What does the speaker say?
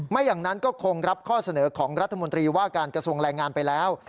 ไม่อย่างนั้นก็คงรับข้อเสนอของรัฐมนตรีว่าการกระทรวงแรงงานไปแล้ว